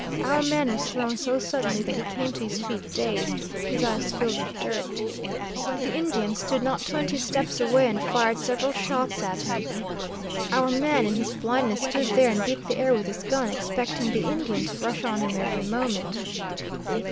Our man was thrown so suddenly, that he came to his feet dazed, his eyes filled with dirt. The Indian stood not twenty steps away and fired several shots at him. Our man, in his blindness, stood there and beat the air with his gun, expecting the Indian to rush on him every moment.